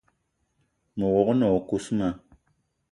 Me wog-na o kousma: